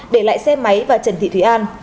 để lại xe máy và trần thị thúy an